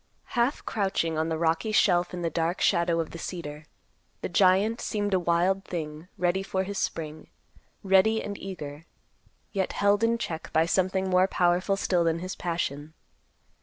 Half crouching on the rocky shelf in the dark shadow of the cedar, the giant seemed a wild thing ready for his spring; ready and eager, yet held in check by something more powerful still than his passion.